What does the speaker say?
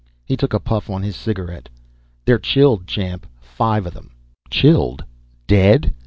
He took a puff on his cigaret. "They're chilled, Champ. Five of them." "Chilled? Dead?"